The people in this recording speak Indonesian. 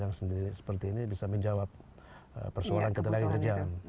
yang sendiri seperti ini bisa menjawab persoalan ketelah yang terjang